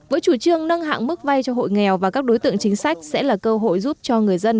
với chủ trương nâng hạng mức vay cho hội nghèo và các đối tượng chính sách sẽ là cơ hội giúp cho người dân